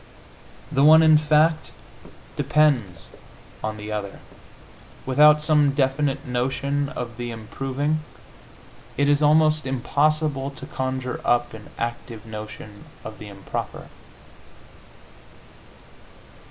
The one, in fact, depends upon the other: without some definite notion of the improving it is almost impossible to conjure up an active notion of the improper.